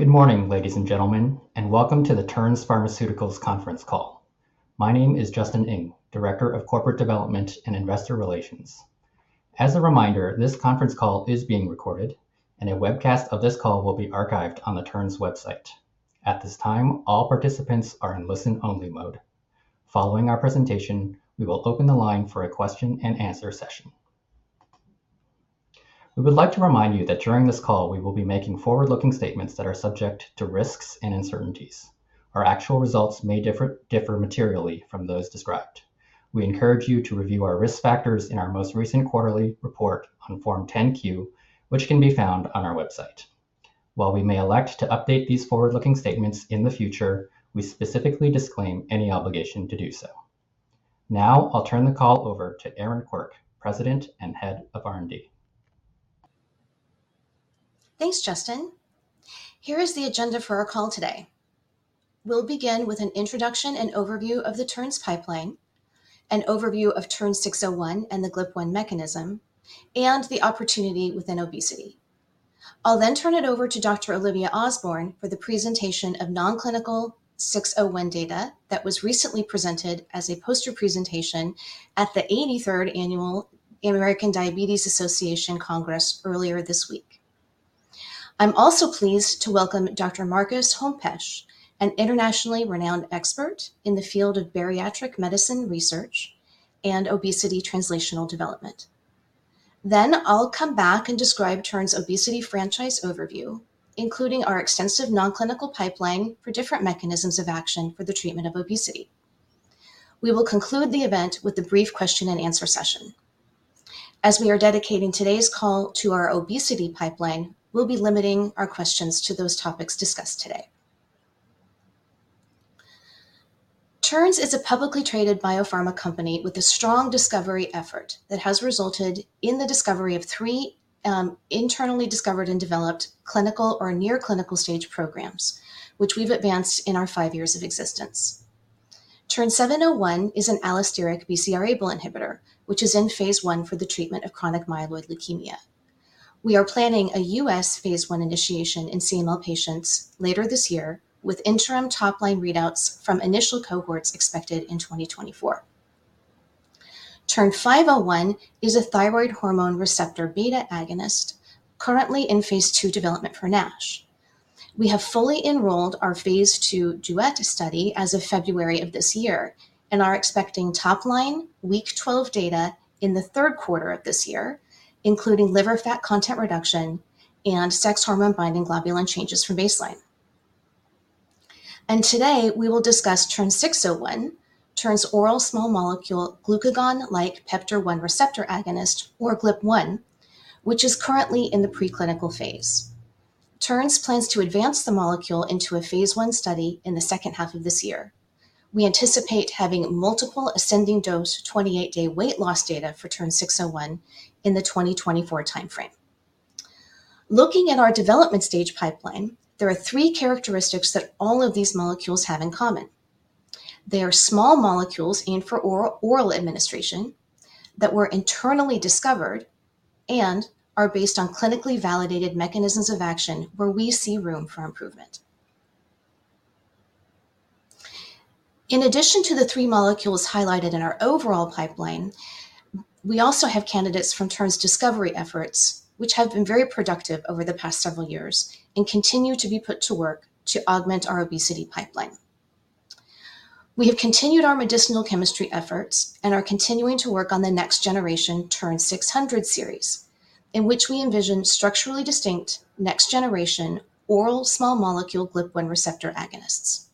Good morning, ladies and gentlemen, welcome to the Terns Pharmaceuticals conference call. My name is Justin Ng, Director of Corporate Development and Investor Relations. As a reminder, this conference call is being recorded, and a webcast of this call will be archived on the Terns website. At this time, all participants are in listen-only mode. Following our presentation, we will open the line for a question and answer session. We would like to remind you that during this call, we will be making forward-looking statements that are subject to risks and uncertainties. Our actual results may differ materially from those described. We encourage you to review our risk factors in our most recent quarterly report on Form 10-Q, which can be found on our website. While we may elect to update these forward-looking statements in the future, we specifically disclaim any obligation to do so. Now, I'll turn the call over to Erin Quirk, President and Head of R&D. Thanks, Justin. Here is the agenda for our call today. We'll begin with an introduction and overview of the Terns pipeline, an overview of TERN-601 and the GLP-1 mechanism, the opportunity within obesity. I'll turn it over to Dr. Olivia Osborn for the presentation of non-clinical 601 data that was recently presented as a poster presentation at the 83rd Annual American Diabetes Association Congress earlier this week. I'm also pleased to welcome Dr. Marcus Hompesch, an internationally renowned expert in the field of bariatric medicine research and obesity translational development. I'll come back and describe Terns' obesity franchise overview, including our extensive non-clinical pipeline for different mechanisms of action for the treatment of obesity. We will conclude the event with a brief question and answer session. As we are dedicating today's call to our obesity pipeline, we'll be limiting our questions to those topics discussed today. Terns is a publicly traded biopharma company with a strong discovery effort that has resulted in the discovery of three internally discovered and developed clinical or near clinical stage programs, which we've advanced in our five years of existence. TERN-701 is an allosteric BCR-ABL inhibitor, which is in Phase 1 for the treatment of chronic myeloid leukemia. We are planning a US Phase 1 initiation in CML patients later this year, with interim top-line readouts from initial cohorts expected in 2024. TERN-501 is a thyroid hormone receptor beta agonist, currently in Phase 2 development for NASH. We have fully enrolled our Phase 2 DUET study as of February of this year and are expecting top-line week 12 data in the third quarter of this year, including liver fat content reduction and sex hormone-binding globulin changes from baseline. Today, we will discuss TERN-601, Terns' oral small molecule glucagon-like peptide 1 receptor agonist, or GLP-1, which is currently in the preclinical phase. Terns plans to advance the molecule into a Phase 1 study in the second half of this year. We anticipate having multiple ascending dose 28-day weight loss data for TERN-601 in the 2024 timeframe. Looking at our development stage pipeline, there are three characteristics that all of these molecules have in common. They are small molecules and for oral administration that were internally discovered and are based on clinically validated mechanisms of action, where we see room for improvement. In addition to the three molecules highlighted in our overall pipeline, we also have candidates from Terns' discovery efforts, which have been very productive over the past several years and continue to be put to work to augment our obesity pipeline. We have continued our medicinal chemistry efforts and are continuing to work on the next generation TERN-600 series, in which we envision structurally distinct, next generation, oral small molecule GLP-1 receptor agonists.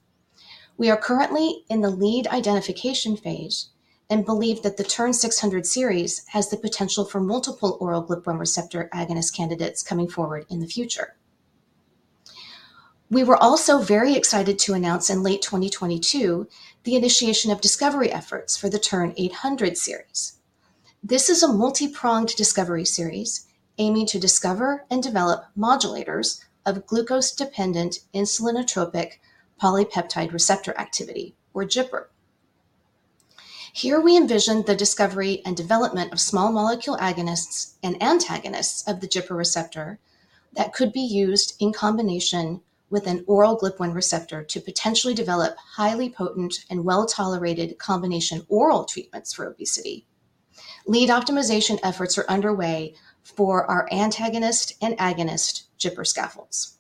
We are currently in the lead identification phase and believe that the TERN-600 series has the potential for multiple oral GLP-1 receptor agonist candidates coming forward in the future. We were also very excited to announce in late 2022, the initiation of discovery efforts for the TERN-800 series. This is a multi-pronged discovery series aiming to discover and develop modulators of glucose-dependent insulinotropic polypeptide receptor activity, or GIPR. Here, we envision the discovery and development of small molecule agonists and antagonists of the GIPR receptor that could be used in combination with an oral GLP-1 receptor to potentially develop highly potent and well-tolerated combination oral treatments for obesity. Lead optimization efforts are underway for our antagonist and agonist GIPR scaffolds.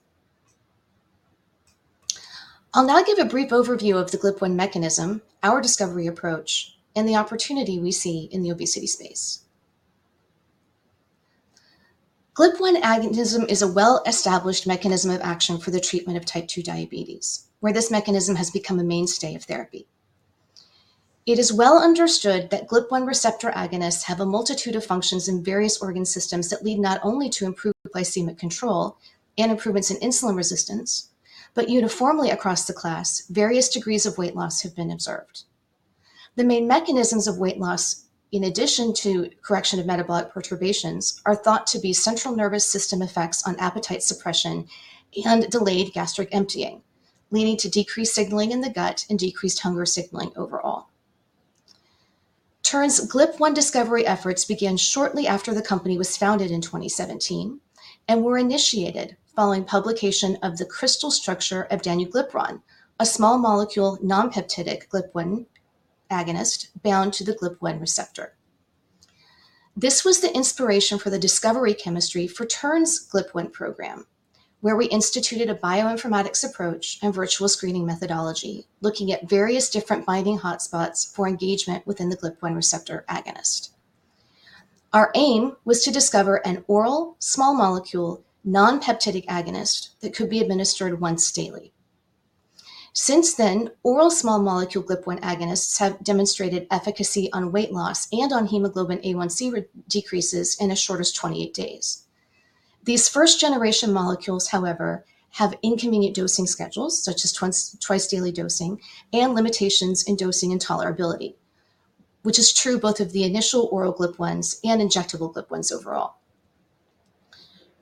I'll now give a brief overview of the GLP-1 mechanism, our discovery approach, and the opportunity we see in the obesity space. GLP-1 agonism is a well-established mechanism of action for the treatment of type 2 diabetes, where this mechanism has become a mainstay of therapy. It is well understood that GLP-1 receptor agonists have a multitude of functions in various organ systems that lead not only to improved glycemic control and improvements in insulin resistance, but uniformly across the class, various degrees of weight loss have been observed. The main mechanisms of weight loss, in addition to correction of metabolic perturbations, are thought to be central nervous system effects on appetite suppression and delayed gastric emptying, leading to decreased signaling in the gut and decreased hunger signaling overall. Terns' GLP-1 discovery efforts began shortly after the company was founded in 2017, and were initiated following publication of the crystal structure of danuglipron, a small molecule, non-peptidic GLP-1 agonist bound to the GLP-1 receptor. This was the inspiration for the discovery chemistry for Terns' GLP-1 program, where we instituted a bioinformatics approach and virtual screening methodology, looking at various different binding hotspots for engagement within the GLP-1 receptor agonist. Our aim was to discover an oral, small molecule, non-peptidic agonist that could be administered once daily. Since then, oral small molecule GLP-1 agonists have demonstrated efficacy on weight loss and on hemoglobin A1C decreases in as short as 28 days. These first-generation molecules, however, have inconvenient dosing schedules, such as twice daily dosing, and limitations in dosing and tolerability, which is true both of the initial oral GLP-1s and injectable GLP-1s overall.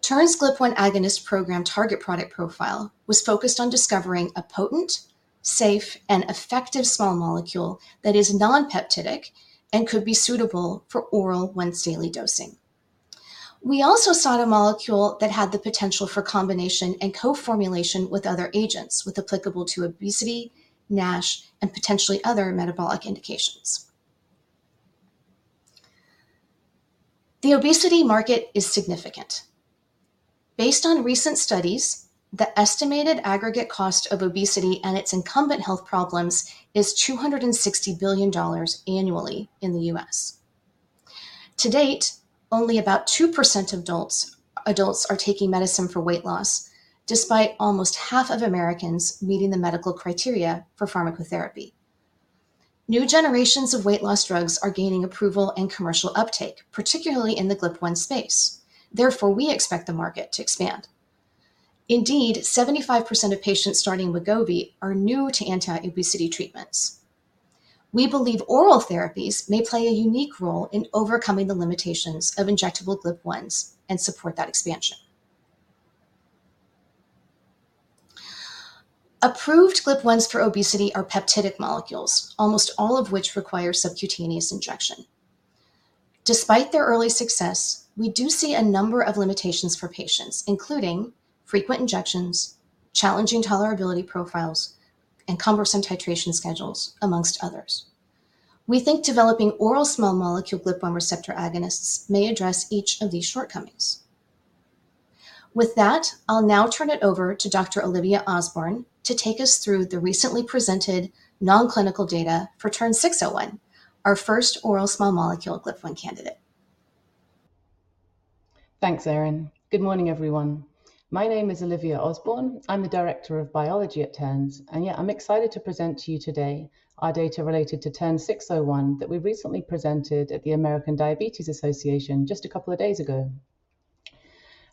Terns' GLP-1 agonist program target product profile was focused on discovering a potent, safe, and effective small molecule that is non-peptidic and could be suitable for oral once daily dosing. We also sought a molecule that had the potential for combination and co-formulation with other agents, with applicable to obesity, NASH, and potentially other metabolic indications. The obesity market is significant. Based on recent studies, the estimated aggregate cost of obesity and its incumbent health problems is $260 billion annually in the U.S. To date, only about 2% of adults are taking medicine for weight loss, despite almost half of Americans meeting the medical criteria for pharmacotherapy. New generations of weight loss drugs are gaining approval and commercial uptake, particularly in the GLP-1 space. We expect the market to expand. Indeed, 75% of patients starting Wegovy are new to anti-obesity treatments. We believe oral therapies may play a unique role in overcoming the limitations of injectable GLP-1s and support that expansion. Approved GLP-1s for obesity are peptidic molecules, almost all of which require subcutaneous injection. Despite their early success, we do see a number of limitations for patients, including frequent injections, challenging tolerability profiles, and cumbersome titration schedules, amongst others. We think developing oral small molecule GLP-1 receptor agonists may address each of these shortcomings. With that, I'll now turn it over to Dr. Olivia Osborn to take us through the recently presented non-clinical data for TERN-601, our first oral small molecule GLP-1 candidate. Thanks, Erin. Good morning, everyone. My name is Olivia Osborn. I'm the Director of Biology at Tern. Yeah, I'm excited to present to you today our data related to TERN-601 that we recently presented at the American Diabetes Association just a couple of days ago.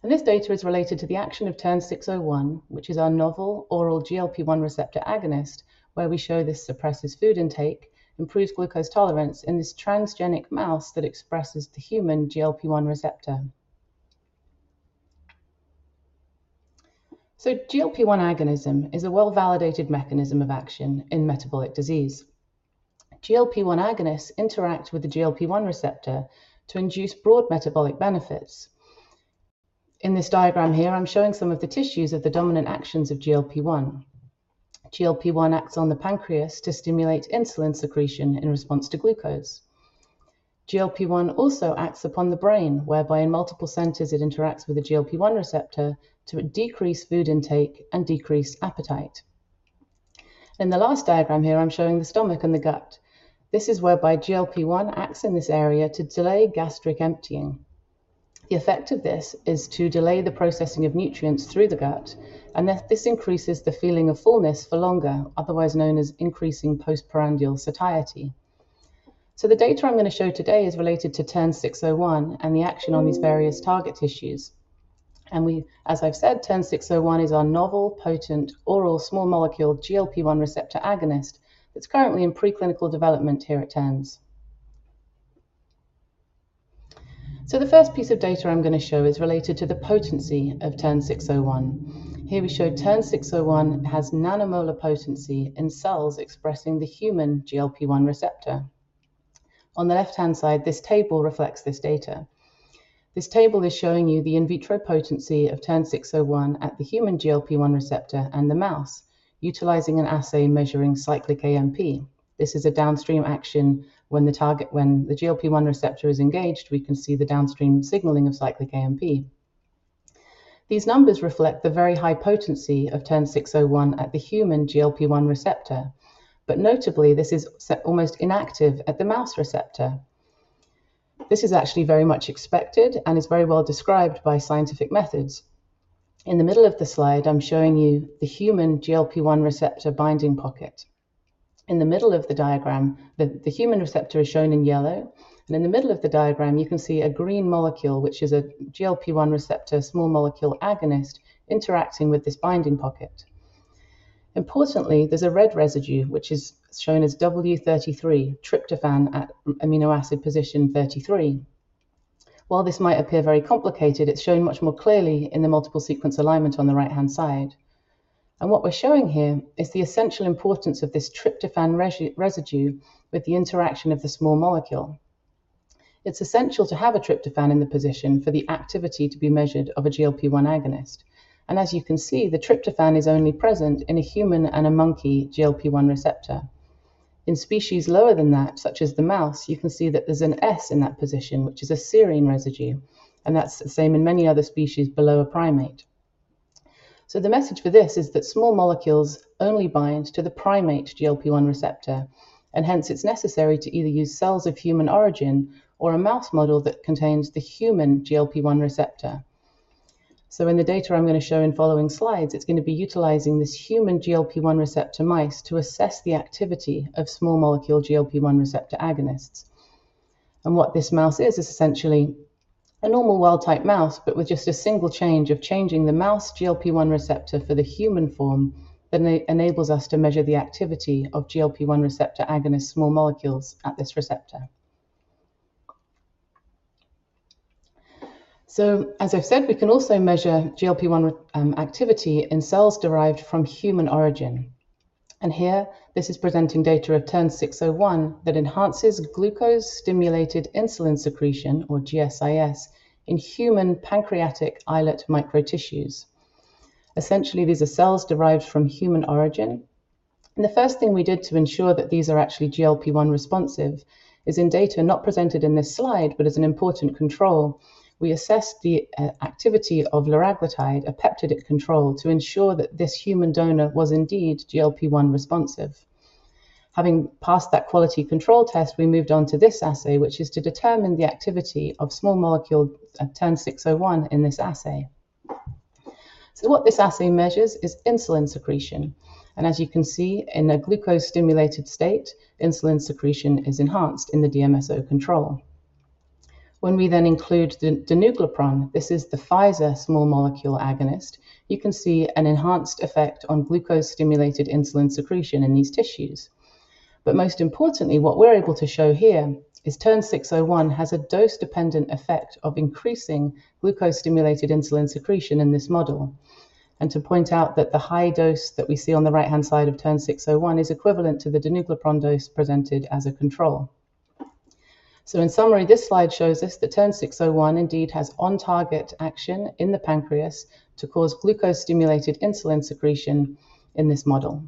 This data is related to the action of TERN-601, which is our novel oral GLP-1 receptor agonist, where we show this suppresses food intake, improves glucose tolerance in this transgenic mouse that expresses the human GLP-1 receptor. GLP-1 agonism is a well-validated mechanism of action in metabolic disease. GLP-1 agonists interact with the GLP-1 receptor to induce broad metabolic benefits. In this diagram here, I'm showing some of the tissues of the dominant actions of GLP-1. GLP-1 acts on the pancreas to stimulate insulin secretion in response to glucose. GLP-1 also acts upon the brain, whereby in multiple centers, it interacts with the GLP-1 receptor to decrease food intake and decrease appetite. In the last diagram here, I'm showing the stomach and the gut. This is whereby GLP-1 acts in this area to delay gastric emptying. The effect of this is to delay the processing of nutrients through the gut, this increases the feeling of fullness for longer, otherwise known as increasing postprandial satiety. The data I'm going to show today is related to TERN-601 and the action on these various target tissues. As I've said, TERN-601 is our novel, potent, oral, small molecule GLP-1 receptor agonist that's currently in preclinical development here at Tern. The first piece of data I'm going to show is related to the potency of TERN-601. Here, we show TERN-601 has nanomolar potency in cells expressing the human GLP-1 receptor. On the left-hand side, this table reflects this data. This table is showing you the in vitro potency of TERN-601 at the human GLP-1 receptor and the mouse, utilizing an assay measuring cyclic AMP. This is a downstream action when the GLP-1 receptor is engaged, we can see the downstream signaling of cyclic AMP. These numbers reflect the very high potency of TERN-601 at the human GLP-1 receptor, but notably, this is almost inactive at the mouse receptor. This is actually very much expected and is very well described by scientific methods. In the middle of the slide, I'm showing you the human GLP-1 receptor binding pocket. In the middle of the diagram, the human receptor is shown in yellow, and in the middle of the diagram, you can see a green molecule, which is a GLP-1 receptor, small molecule agonist, interacting with this binding pocket. Importantly, there's a red residue, which is shown as W33, tryptophan at amino acid position 33. While this might appear very complicated, it's shown much more clearly in the multiple sequence alignment on the right-hand side. What we're showing here is the essential importance of this tryptophan residue with the interaction of the small molecule. It's essential to have a tryptophan in the position for the activity to be measured of a GLP-1 agonist. As you can see, the tryptophan is only present in a human and a monkey GLP-1 receptor. In species lower than that, such as the mouse, you can see that there's an S in that position, which is a serine residue, and that's the same in many other species below a primate. The message for this is that small molecules only bind to the primate GLP-1 receptor, and hence, it's necessary to either use cells of human origin or a mouse model that contains the human GLP-1 receptor. In the data I'm gonna show in following slides, it's gonna be utilizing this human GLP-1 receptor mice to assess the activity of small molecule GLP-1 receptor agonists. What this mouse is essentially a normal wild-type mouse, but with just a single change of changing the mouse GLP-1 receptor for the human form, that enables us to measure the activity of GLP-1 receptor agonist small molecules at this receptor. As I've said, we can also measure GLP-1 activity in cells derived from human origin. Here, this is presenting data of TERN-601 that enhances glucose-stimulated insulin secretion, or GSIS, in human pancreatic islet microtissues. These are cells derived from human origin, and the first thing we did to ensure that these are actually GLP-1 responsive is in data not presented in this slide, but as an important control. We assessed the activity of liraglutide, a peptidic control, to ensure that this human donor was indeed GLP-1 responsive. Having passed that quality control test, we moved on to this assay, which is to determine the activity of small molecule TERN-601 in this assay. What this assay measures is insulin secretion, and as you can see, in a glucose-stimulated state, insulin secretion is enhanced in the DMSO control. We then include the danuglipron, this is the Pfizer small molecule agonist, you can see an enhanced effect on glucose-stimulated insulin secretion in these tissues. Most importantly, what we're able to show here is TERN-601 has a dose-dependent effect of increasing glucose-stimulated insulin secretion in this model. To point out that the high dose that we see on the right-hand side of TERN-601 is equivalent to the danuglipron dose presented as a control. In summary, this slide shows us that TERN-601 indeed has on-target action in the pancreas to cause glucose-stimulated insulin secretion in this model.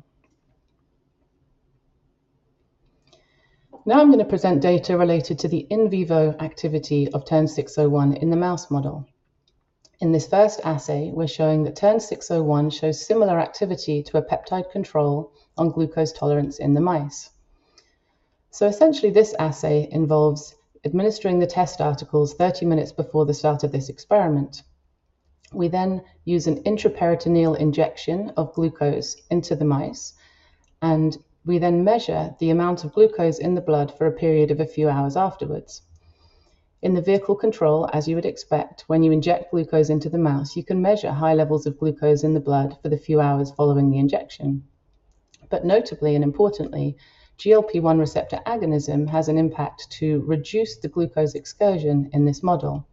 I'm gonna present data related to the in vivo activity of TERN-601 in the mouse model. In this first assay, we're showing that TERN-601 shows similar activity to a peptide control on glucose tolerance in the mice. Essentially, this assay involves administering the test articles 30 minutes before the start of this experiment. We then use an intraperitoneal injection of glucose into the mice, and we then measure the amount of glucose in the blood for a period of a few hours afterwards. In the vehicle control, as you would expect, when you inject glucose into the mouse, you can measure high levels of glucose in the blood for the few hours following the injection. Notably and importantly, GLP-1 receptor agonism has an impact to reduce the glucose excursion in this model.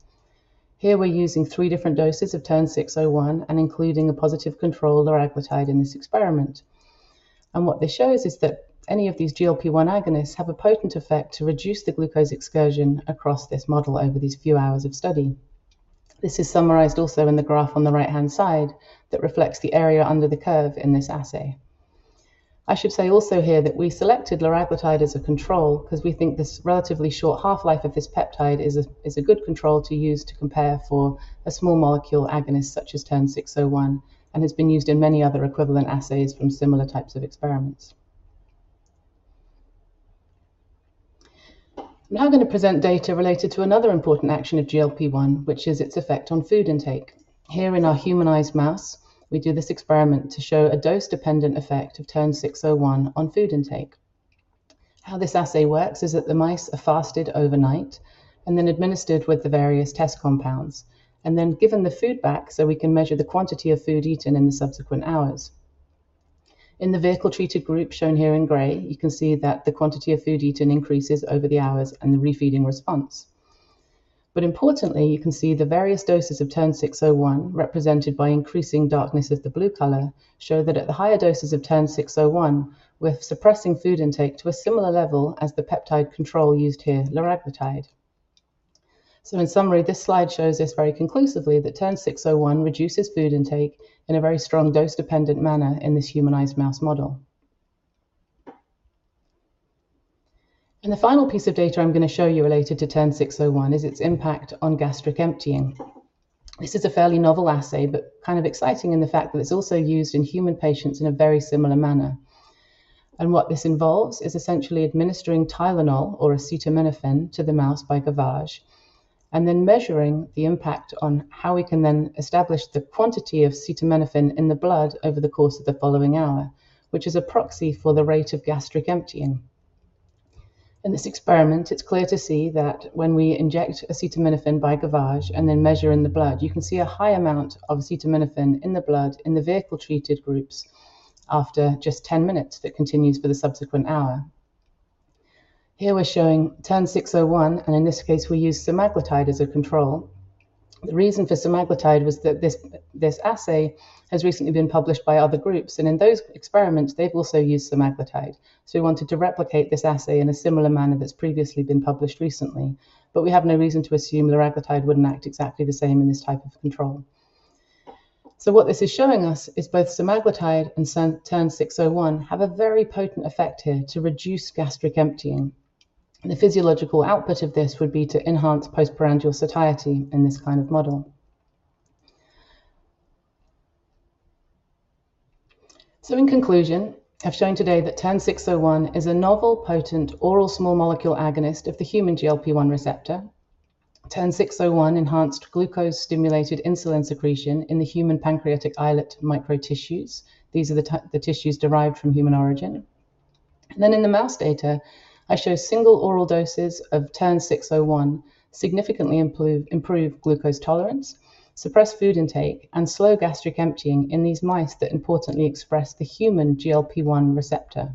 Here, we're using three different doses of TERN-601 and including a positive control liraglutide in this experiment. What this shows is that any of these GLP-1 agonists have a potent effect to reduce the glucose excursion across this model over these few hours of study. This is summarized also in the graph on the right-hand side, that reflects the area under the curve in this assay. I should say also here that we selected liraglutide as a control 'cause we think this relatively short half-life of this peptide is a good control to use to compare for a small molecule agonist, such as TERN-601, and has been used in many other equivalent assays from similar types of experiments. I'm now gonna present data related to another important action of GLP-1, which is its effect on food intake. Here in our humanized mouse, we do this experiment to show a dose-dependent effect of TERN-601 on food intake. How this assay works is that the mice are fasted overnight and then administered with the various test compounds, and then given the food back, so we can measure the quantity of food eaten in the subsequent hours. In the vehicle-treated group, shown here in gray, you can see that the quantity of food eaten increases over the hours and the refeeding response. You can see the various doses of TERN-601, represented by increasing darkness of the blue color, show that at the higher doses of TERN-601, we're suppressing food intake to a similar level as the peptide control used here, liraglutide. This slide shows us very conclusively that TERN-601 reduces food intake in a very strong dose-dependent manner in this humanized mouse model. The final piece of data I'm gonna show you related to TERN-601 is its impact on gastric emptying. This is a fairly novel assay, but kind of exciting in the fact that it's also used in human patients in a very similar manner. What this involves is essentially administering Tylenol or acetaminophen to the mouse by gavage, and then measuring the impact on how we can then establish the quantity of acetaminophen in the blood over the course of the following hour, which is a proxy for the rate of gastric emptying. In this experiment, it's clear to see that when we inject acetaminophen by gavage and then measure in the blood, you can see a high amount of acetaminophen in the blood in the vehicle-treated groups after just 10 minutes, that continues for the subsequent hour. Here we're showing TERN-601, and in this case, we use semaglutide as a control. The reason for semaglutide was that this assay has recently been published by other groups, and in those experiments, they've also used semaglutide. We wanted to replicate this assay in a similar manner that's previously been published recently. We have no reason to assume liraglutide wouldn't act exactly the same in this type of control. What this is showing us is both semaglutide and TERN-601 have a very potent effect here to reduce gastric emptying. The physiological output of this would be to enhance postprandial satiety in this kind of model. In conclusion, I've shown today that TERN-601 is a novel, potent, oral small molecule agonist of the human GLP-1 receptor. TERN-601 enhanced glucose-stimulated insulin secretion in the human pancreatic islet microtissues. These are the tissues derived from human origin. In the mouse data, I show single oral doses of TERN-601 significantly improve glucose tolerance, suppress food intake, and slow gastric emptying in these mice that importantly express the human GLP-1 receptor.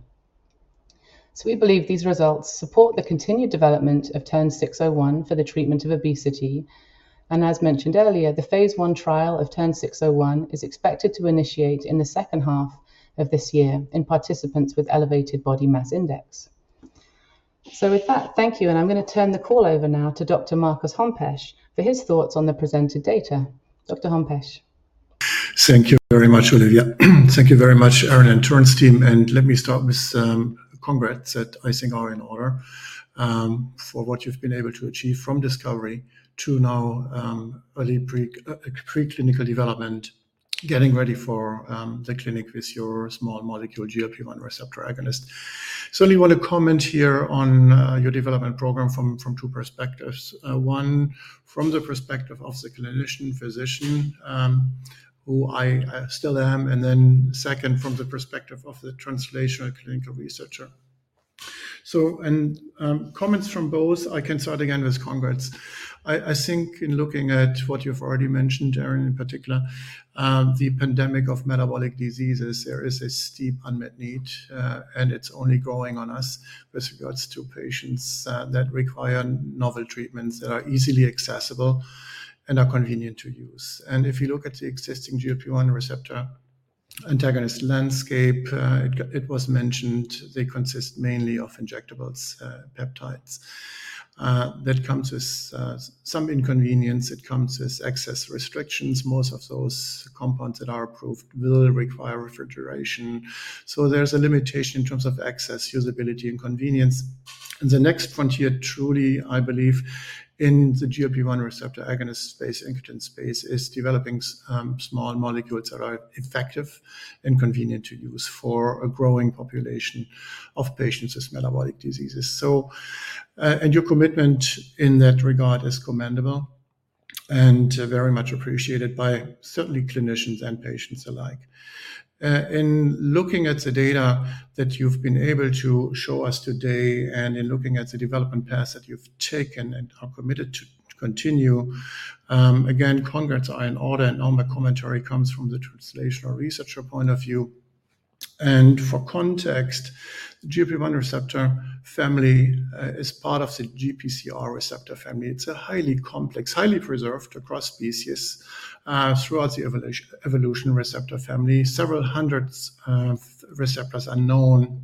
We believe these results support the continued development of TERN-601 for the treatment of obesity, and as mentioned earlier, the phase 1 trial of TERN-601 is expected to initiate in the second half of this year in participants with elevated body mass index. With that, thank you, and I'm gonna turn the call over now to Dr. Marcus Hompesch for his thoughts on the presented data. Dr. Hompesch. Thank you very much, Olivia. Thank you very much, Erin and Terns' team. Let me start with congrats, that I think are in order for what you've been able to achieve from discovery to now, early preclinical development, getting ready for the clinic with your small molecule GLP-1 receptor agonist. I only want to comment here on your development program from two perspectives. One, from the perspective of the clinician physician, who I still am, and then second, from the perspective of the translational clinical researcher. Comments from both, I can start again with congrats. I think in looking at what you've already mentioned, Erin, in particular, the pandemic of metabolic diseases, there is a steep unmet need, and it's only growing on us with regards to patients that require novel treatments that are easily accessible and are convenient to use. If you look at the existing GLP-1 receptor agonist landscape, it was mentioned they consist mainly of injectables, peptides. That comes with some inconvenience. It comes with access restrictions. Most of those compounds that are approved will require refrigeration. There's a limitation in terms of access, usability, and convenience. The next frontier, truly, I believe, in the GLP-1 receptor agonist space, incretin space, is developing small molecules that are effective and convenient to use for a growing population of patients with metabolic diseases. Your commitment in that regard is commendable and very much appreciated by certainly clinicians and patients alike. In looking at the data that you've been able to show us today, in looking at the development path that you've taken and are committed to continue, again, congrats are in order, all my commentary comes from the translational researcher point of view. For context, the GLP-1 receptor family is part of the GPCR receptor family. It's a highly complex, highly preserved across species, throughout the evolution receptor family. Several hundreds of receptors are known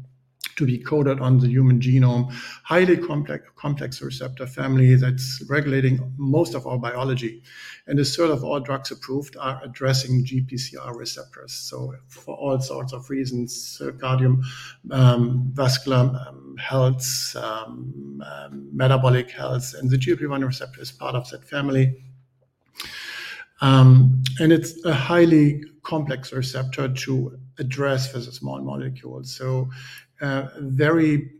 to be coded on the human genome. Highly complex receptor family that's regulating most of our biology, a sort of all drugs approved are addressing GPCR receptors. For all sorts of reasons, cardiac, vascular, health, metabolic health, and the GLP-1 receptor is part of that family. It's a highly complex receptor to address as a small molecule. Very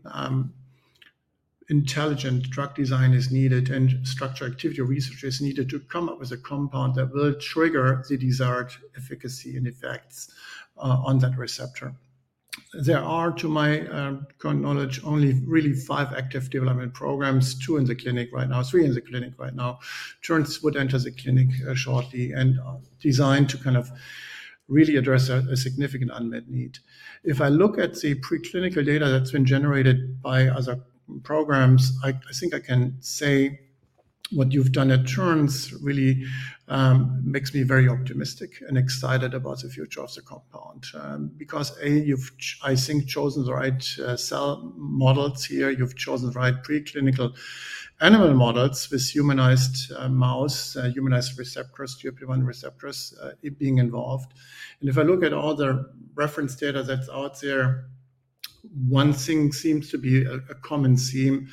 intelligent drug design is needed, and structure activity research is needed to come up with a compound that will trigger the desired efficacy and effects on that receptor. There are, to my current knowledge, only really five active development programs, three in the clinic right now. Terns would enter the clinic shortly and are designed to kind of really address a significant unmet need. If I look at the preclinical data that's been generated by other programs, I think I can say what you've done at Terns really makes me very optimistic and excited about the future of the compound. A, you've I think, chosen the right cell models here. You've chosen the right preclinical animal models with humanized mouse humanized receptors, GLP-1 receptors, being involved. If I look at all the reference data that's out there, one thing seems to be a common theme.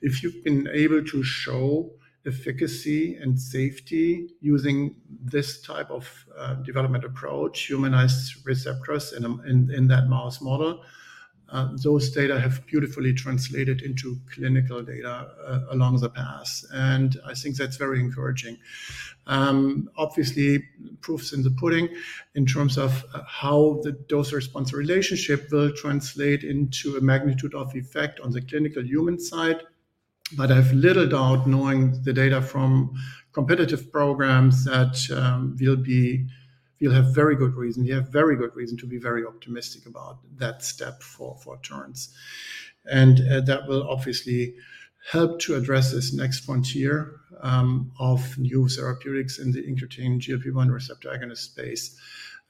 If you've been able to show efficacy and safety using this type of development approach, humanized receptors in in that mouse model, those data have beautifully translated into clinical data along the path, and I think that's very encouraging. Obviously, proof's in the pudding in terms of how the dose response relationship will translate into a magnitude of effect on the clinical human side. I have little doubt, knowing the data from competitive programs, that we'll have very good reason. We have very good reason to be very optimistic about that step for Terns. That will obviously help to address this next frontier of new therapeutics in the interchange GLP-1 receptor agonist space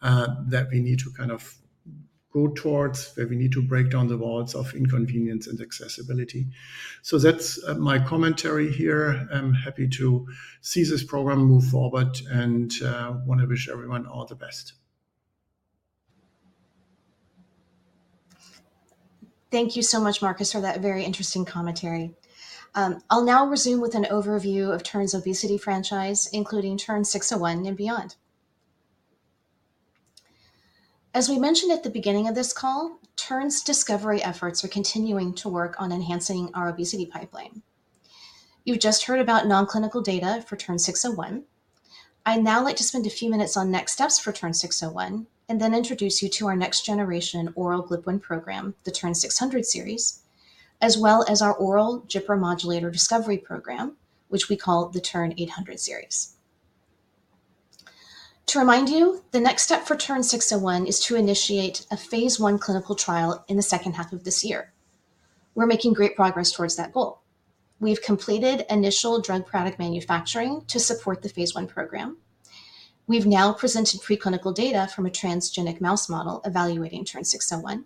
that we need to kind of go towards, where we need to break down the walls of inconvenience and accessibility. That's my commentary here. I'm happy to see this program move forward, and want to wish everyone all the best. Thank you so much, Marcus, for that very interesting commentary. I'll now resume with an overview of Terns' obesity franchise, including TERN-601 and beyond. As we mentioned at the beginning of this call, Terns' discovery efforts are continuing to work on enhancing our obesity pipeline. You just heard about non-clinical data for TERN-601. I'd now like to spend a few minutes on next steps for TERN-601, and then introduce you to our next generation oral GLP-1 program, the TERN-600 series, as well as our oral GIPR modulator discovery program, which we call the TERN-800 series. To remind you, the next step for TERN-601 is to initiate a phase I clinical trial in the second half of this year. We're making great progress towards that goal. We've completed initial drug product manufacturing to support the phase I program. We've now presented preclinical data from a transgenic mouse model evaluating TERN-601,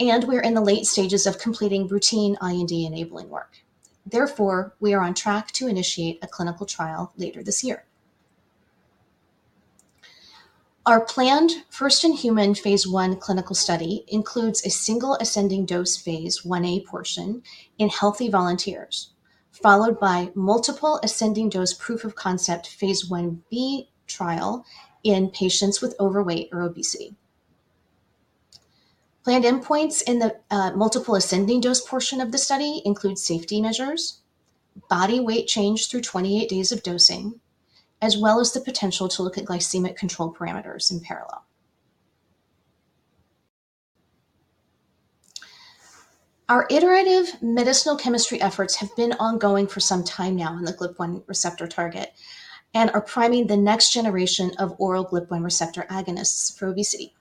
and we're in the late stages of completing routine IND enabling work. Therefore, we are on track to initiate a clinical trial later this year. Our planned first-in-human phase I clinical study includes a single ascending dose phase Ia portion in healthy volunteers, followed by multiple ascending dose proof of concept phase Ib trial in patients with overweight or obesity. Planned endpoints in the multiple ascending dose portion of the study include safety measures, body weight change through 28 days of dosing, as well as the potential to look at glycemic control parameters in parallel. Our iterative medicinal chemistry efforts have been ongoing for some time now in the GLP-1 receptor target and are priming the next generation of oral GLP-1 receptor agonists for obesity.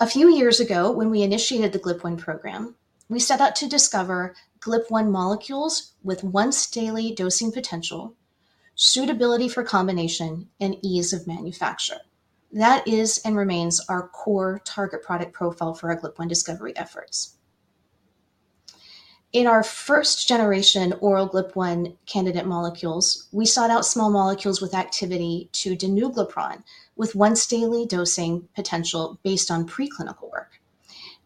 A few years ago, when we initiated the GLP-1 program, we set out to discover GLP-1 molecules with once-daily dosing potential, suitability for combination, and ease of manufacture. That is and remains our core target product profile for our GLP-1 discovery efforts. In our first generation oral GLP-1 candidate molecules, we sought out small molecules with activity to danuglipron, with once-daily dosing potential based on preclinical work,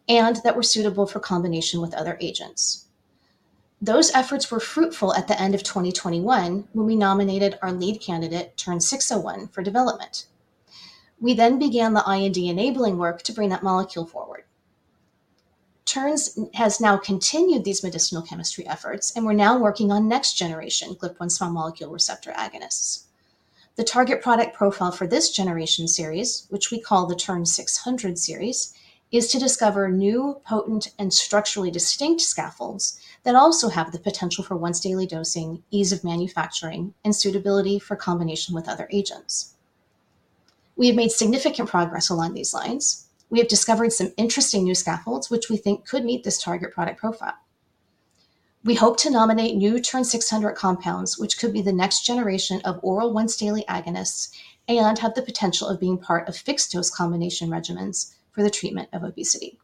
and that were suitable for combination with other agents. Those efforts were fruitful at the end of 2021, when we nominated our lead candidate, TERN-601, for development. We began the IND enabling work to bring that molecule forward. Terns has now continued these medicinal chemistry efforts, and we're now working on next-generation GLP-1 small molecule receptor agonists. The target product profile for this generation series, which we call the TERN-600 series, is to discover new, potent, and structurally distinct scaffolds that also have the potential for once-daily dosing, ease of manufacturing, and suitability for combination with other agents. We have made significant progress along these lines. We have discovered some interesting new scaffolds, which we think could meet this target product profile. We hope to nominate new TERN-600 compounds, which could be the next generation of oral once-daily agonists and have the potential of being part of fixed-dose combination regimens for the treatment of obesity.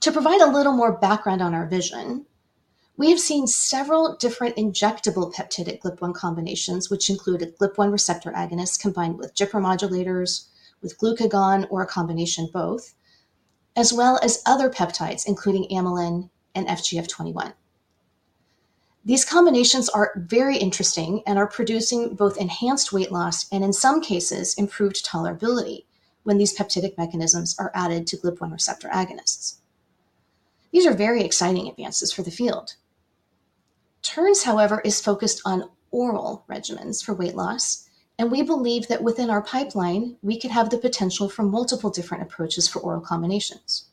To provide a little more background on our vision, we have seen several different injectable peptidic GLP-1 combinations, which included GLP-1 receptor agonists combined with GIPR modulators, with glucagon, or a combination of both, as well as other peptides, including amylin and FGF21. These combinations are very interesting and are producing both enhanced weight loss and, in some cases, improved tolerability when these peptidic mechanisms are added to GLP-1 receptor agonists. These are very exciting advances for the field. Terns, however, is focused on oral regimens for weight loss, and we believe that within our pipeline, we could have the potential for multiple different approaches for oral combinations.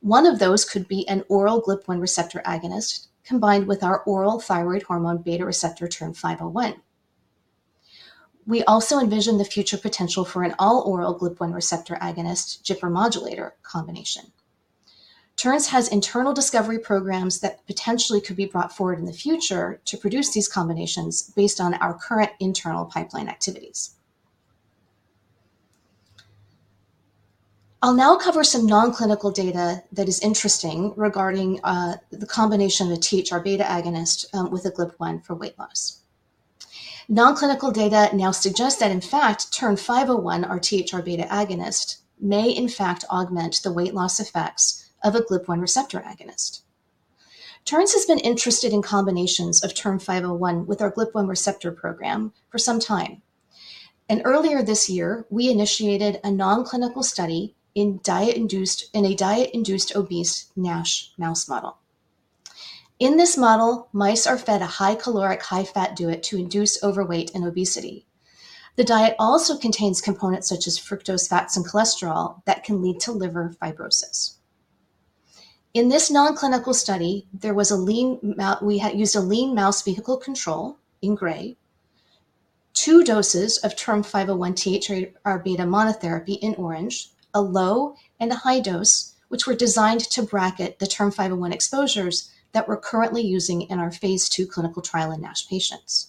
One of those could be an oral GLP-1 receptor agonist combined with our oral thyroid hormone beta receptor, TERN-501. We also envision the future potential for an all-oral GLP-1 receptor agonist, GIPR modulator combination. Terns has internal discovery programs that potentially could be brought forward in the future to produce these combinations based on our current internal pipeline activities. I'll now cover some non-clinical data that is interesting regarding the combination of the THR-β agonist with a GLP-1 for weight loss. Non-clinical data now suggests that, in fact, TERN-501, our THR-β agonist, may in fact augment the weight loss effects of a GLP-1 receptor agonist. Terns has been interested in combinations of TERN-501 with our GLP-1 receptor program for some time, and earlier this year, we initiated a non-clinical study in diet-induced obese NASH mouse model. In this model, mice are fed a high caloric, high-fat diet to induce overweight and obesity. The diet also contains components such as fructose, fats, and cholesterol that can lead to liver fibrosis. In this non-clinical study, we had used a lean mouse vehicle control in gray, two doses of TERN-501 THR-β monotherapy in orange, a low and a high dose, which were designed to bracket the TERN-501 exposures that we're currently using in our Phase 2 clinical trial in NASH patients.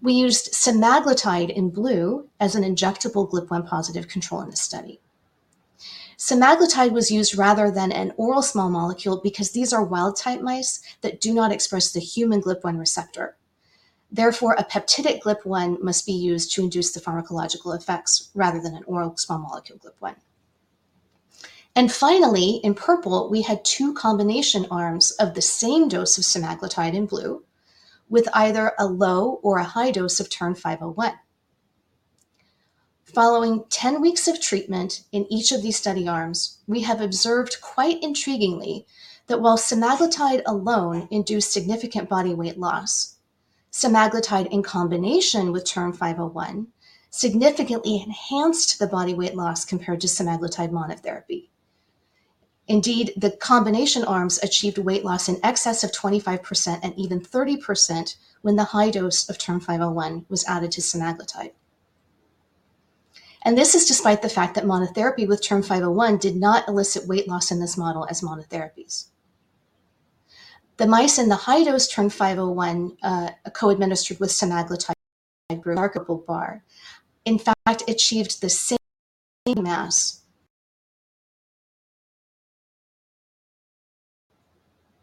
We used semaglutide in blue as an injectable GLP-1 positive control in this study. Semaglutide was used rather than an oral small molecule because these are wild-type mice that do not express the human GLP-1 receptor. Therefore, a peptidic GLP-1 must be used to induce the pharmacological effects rather than an oral small molecule GLP-1. Finally, in purple, we had two combination arms of the same dose of semaglutide in blue, with either a low or a high dose of TERN-501. Following 10 weeks of treatment in each of these study arms, we have observed quite intriguingly, that while semaglutide alone induced significant body weight loss, semaglutide in combination with TERN-501 significantly enhanced the body weight loss compared to semaglutide monotherapy. The combination arms achieved weight loss in excess of 25% and even 30% when the high dose of TERN-501 was added to semaglutide. This is despite the fact that monotherapy with TERN-501 did not elicit weight loss in this model as monotherapies. The mice in the high-dose TERN-501 co-administered with semaglutide, remarkable bar, in fact, achieved the same mass.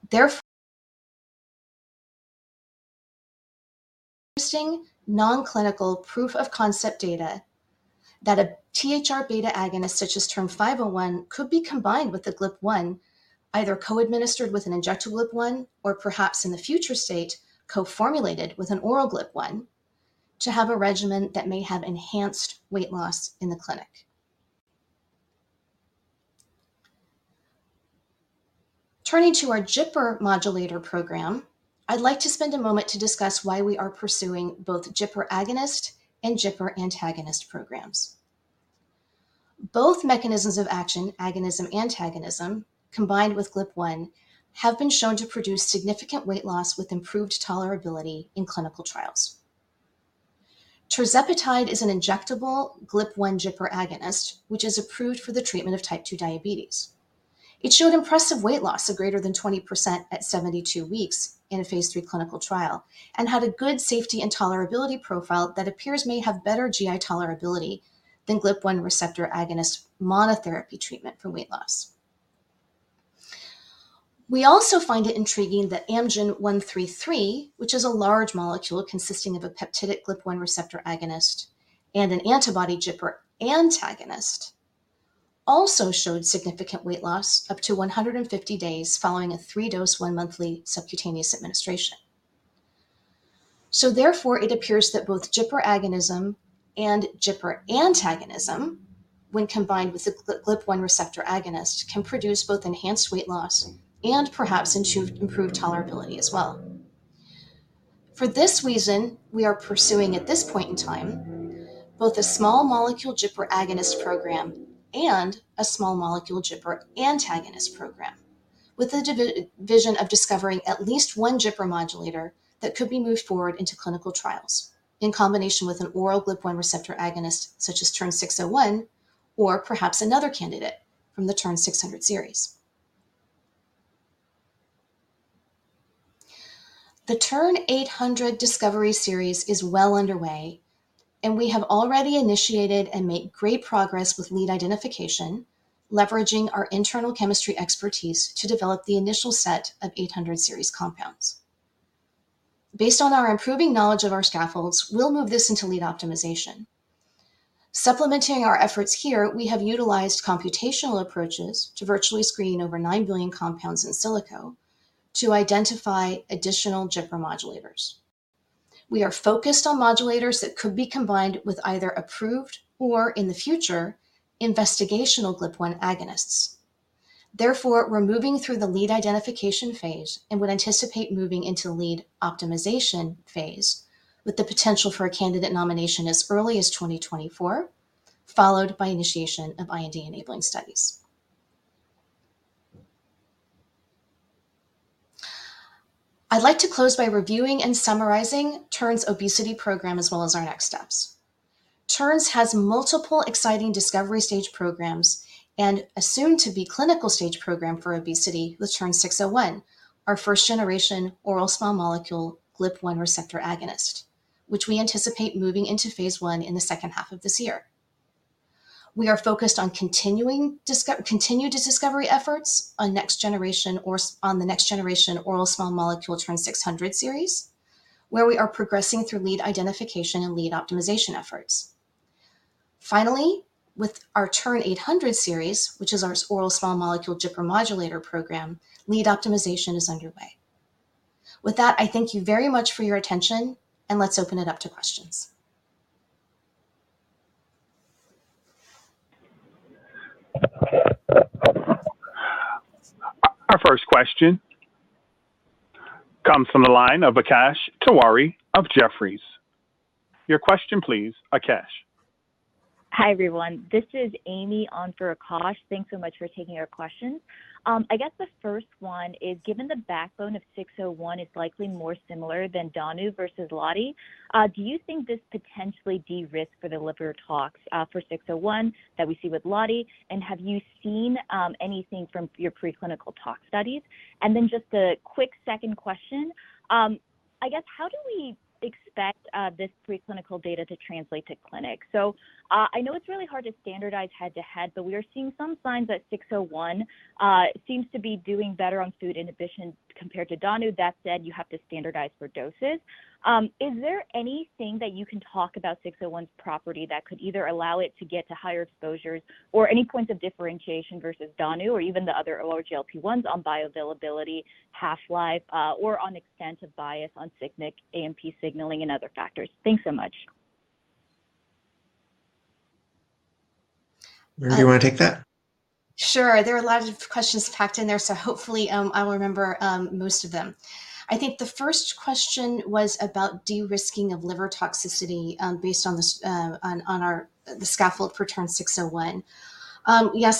Therefore, interesting non-clinical proof of concept data that a THR-β agonist, such as TERN-501, could be combined with a GLP-1, either co-administered with an injectable GLP-1, or perhaps in the future state, co-formulated with an oral GLP-1, to have a regimen that may have enhanced weight loss in the clinic. Turning to our GPCR modulator program, I'd like to spend a moment to discuss why we are pursuing both GPCR agonist and GPCR antagonist programs. Both mechanisms of action, agonism, antagonism, combined with GLP-1, have been shown to produce significant weight loss with improved tolerability in clinical trials. tirzepatide is an injectable GLP-1 GPCR agonist, which is approved for the treatment of Type 2 diabetes. It showed impressive weight loss of greater than 20% at 72 weeks in a phase 3 clinical trial, and had a good safety and tolerability profile that appears may have better GI tolerability than GLP-1 receptor agonist monotherapy treatment for weight loss. We also find it intriguing that AMG 133, which is a large molecule consisting of a peptidic GLP-1 receptor agonist and an antibody GPCR antagonist, also showed significant weight loss up to 150 days following a 3-dose, 1 monthly subcutaneous administration. Therefore, it appears that both GPCR agonism and GPCR antagonism, when combined with the GLP-1 receptor agonist, can produce both enhanced weight loss and perhaps improved tolerability as well. For this reason, we are pursuing, at this point in time, both a small molecule GPCR agonist program and a small molecule GPCR antagonist program, with the division of discovering at least one GPCR modulator that could be moved forward into clinical trials in combination with an oral GLP-1 receptor agonist, such as TERN-601, or perhaps another candidate from the TERN-600 series. The TERN-800 discovery series is well underway, and we have already initiated and made great progress with lead identification, leveraging our internal chemistry expertise to develop the initial set of 800 series compounds. Based on our improving knowledge of our scaffolds, we'll move this into lead optimization. Supplementing our efforts here, we have utilized computational approaches to virtually screen over 9 billion compounds in silico to identify additional GPCR modulators. We are focused on modulators that could be combined with either approved or, in the future, investigational GLP-1 agonists. We're moving through the lead identification phase and would anticipate moving into lead optimization phase, with the potential for a candidate nomination as early as 2024, followed by initiation of IND-enabling studies. I'd like to close by reviewing and summarizing Terns' obesity program, as well as our next steps. Terns' has multiple exciting discovery stage programs and a soon-to-be clinical stage program for obesity with TERN-601, our first-generation oral small molecule GLP-1 receptor agonist, which we anticipate moving into Phase 1 in the second half of this year. We are focused on continued discovery efforts on next generation or on the next generation oral small molecule TERN-600 series, where we are progressing through lead identification and lead optimization efforts. With our TERN-800 series, which is our oral small molecule GPCR modulator program, lead optimization is underway. With that, I thank you very much for your attention, and let's open it up to questions. ... Our first question comes from the line of Akash Tewari of Jefferies. Your question please, Akash. Hi, everyone. This is Amy on for Akash. Thanks so much for taking our question. I guess the first one is, given the backbone of 601 is likely more similar than danu versus loti, do you think this potentially de-risk for the liver tox for 601 that we see with loti? Have you seen anything from your preclinical tox studies? Just a quick second question. I guess, how do we expect this preclinical data to translate to clinic? I know it's really hard to standardize head-to-head, but we are seeing some signs that 601 seems to be doing better on food inhibition compared to danu. That said, you have to standardize for doses. Is there anything that you can talk about 601's property that could either allow it to get to higher exposures, or any points of differentiation versus danu, or even the other oral GLP-1s on bioavailability, half-life, or on extent of bias on cyclic AMP signaling and other factors? Thanks so much. Mary, do you wanna take that? Sure. Hopefully, I will remember most of them. I think the first question was about de-risking of liver toxicity, based on our, the scaffold for TERN-601.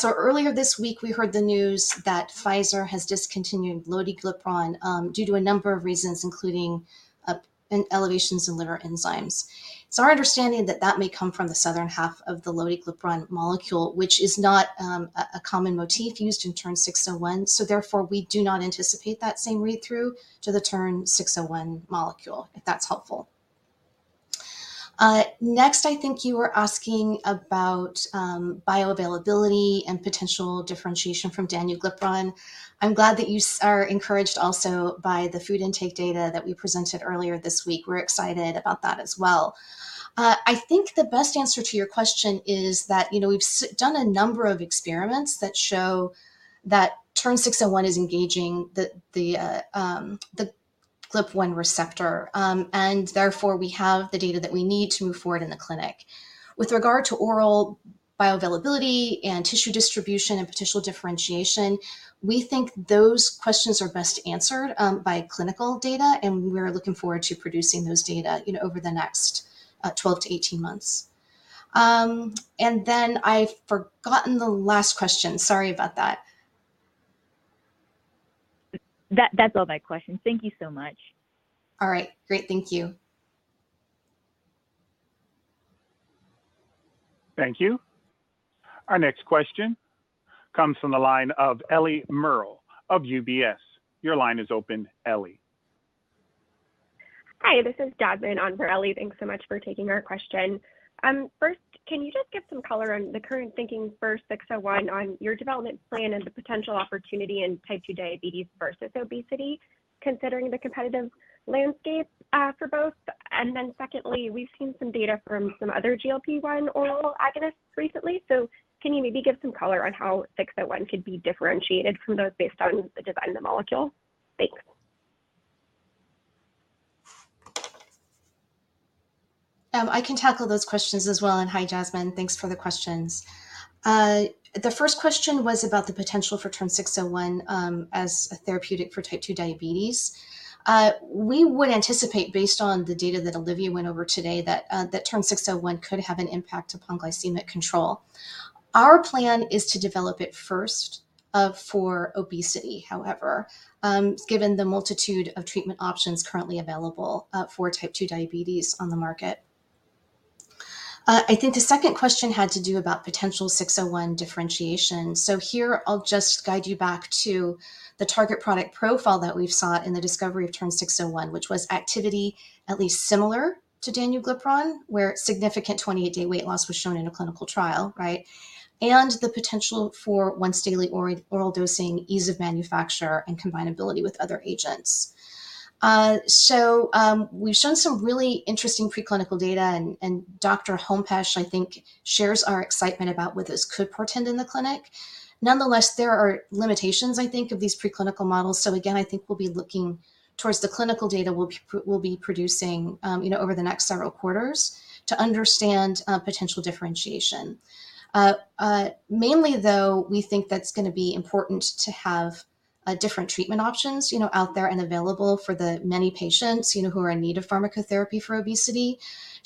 Earlier this week, we heard the news that Pfizer has discontinued lotiglipron, due to a number of reasons, including an elevations in liver enzymes. It's our understanding that that may come from the southern half of the lotiglipron molecule, which is not a common motif used in TERN-601. Therefore, we do not anticipate that same read-through to the TERN-601 molecule, if that's helpful. Next, I think you were asking about bioavailability and potential differentiation from danuglipron. I'm glad that you are encouraged also by the food intake data that we presented earlier this week. We're excited about that as well. I think the best answer to your question is that, you know, we've done a number of experiments that show that TERN-601 is engaging the GLP-1 receptor, and therefore, we have the data that we need to move forward in the clinic. With regard to oral bioavailability and tissue distribution and potential differentiation, we think those questions are best answered by clinical data, and we're looking forward to producing those data, you know, over the next 12-18 months. I've forgotten the last question. Sorry about that. That's all my questions. Thank you so much. All right. Great. Thank you. Thank you. Our next question comes from the line of Ellie Merle of UBS. Your line is open, Ellie. Hi, this is Jasmine on for Ellie. Thanks so much for taking our question. First, can you just give some color on the current thinking for TERN-601 on your development plan and the potential opportunity in type 2 diabetes versus obesity, considering the competitive landscape for both? Secondly, we've seen some data from some other GLP-1 oral agonists recently, so can you maybe give some color on how TERN-601 could be differentiated from those based on the design of the molecule? Thanks. I can tackle those questions as well. Hi, Jasmine. Thanks for the questions. The first question was about the potential for TERN-601 as a therapeutic for type 2 diabetes. We would anticipate, based on the data that Olivia went over today, that TERN-601 could have an impact upon glycemic control. Our plan is to develop it first for obesity, however, given the multitude of treatment options currently available for type 2 diabetes on the market. I think the second question had to do about potential 601 differentiation. Here, I'll just guide you back to the target product profile that we've saw in the discovery of TERN-601, which was activity at least similar to danuglipron, where significant 28-day weight loss was shown in a clinical trial, right? The potential for once-daily oral dosing, ease of manufacture, and combinability with other agents. We've shown some really interesting preclinical data, and Dr. Hompesch, I think, shares our excitement about what this could portend in the clinic. Nonetheless, there are limitations, I think, of these preclinical models, so again, I think we'll be looking towards the clinical data we'll be producing, you know, over the next several quarters to understand potential differentiation. Mainly though, we think that's gonna be important to have different treatment options, you know, out there and available for the many patients, you know, who are in need of pharmacotherapy for obesity.